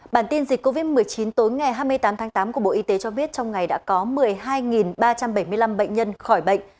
bản tin dịch covid một mươi chín tối ngày hai mươi tám tháng tám của bộ y tế cho biết trong ngày đã có một mươi hai ba trăm bảy mươi năm bệnh nhân khỏi bệnh